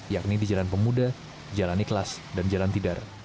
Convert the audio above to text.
yakni di jalan pemuda jalan ikhlas dan jalan tidar